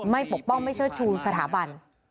ปกป้องไม่เชิดชูสถาบัน